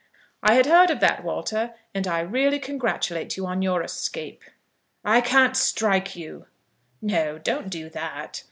"I had heard of that, Walter, and I really congratulate you on your escape." "I can't strike you " "No; don't do that."